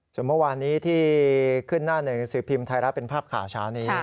ส่วนเมื่อวานนี้ที่ขึ้นหน้าหนึ่งสือพิมพ์ไทยรัฐเป็นภาพข่าวเช้านี้